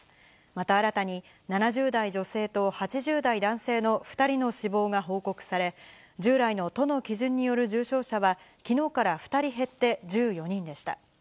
また新たに、７０代女性と８０代男性の２人の死亡が報告され、従来の都の基準による重症者は、きのうから２人減って１４人でした。